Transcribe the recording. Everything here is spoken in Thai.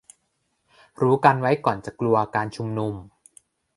รู้กันไว้ก่อนจะกลัว การชุมนุม